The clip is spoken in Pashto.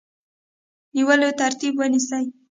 نیولو ترتیب ونیسي.